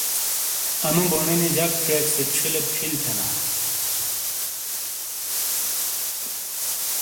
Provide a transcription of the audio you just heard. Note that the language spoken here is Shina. انو بونےنی جک ڇیک سے ڇھیے پِھل تھینا۔